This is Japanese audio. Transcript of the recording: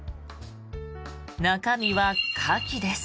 中身はカキです。